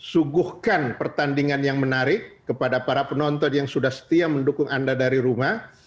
suguhkan pertandingan yang menarik kepada para penonton yang sudah setia mendukung anda dari rumah